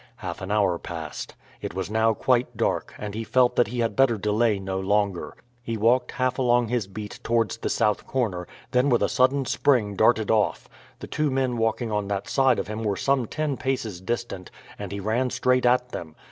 Half an hour passed. It was now quite dark, and he felt that he had better delay no longer. He walked half along his beat towards the south corner, then with a sudden spring darted off. The two men walking on that side of him were some ten paces distant, and he ran straight at them.